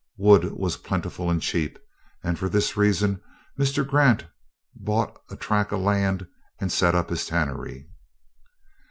Wood was plentiful and cheap, and for this reason, Mr. Grant bought a tract of land and set up his tannery.